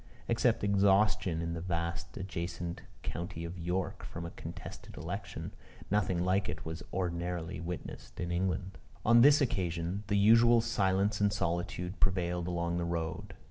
Except exhaustion in the vast adjacent county of York from a contested election, nothing like it was ordinarily witnessed in England. On this occasion, the usual silence and solitude prevailed along the road.